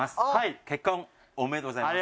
ありがとうございます。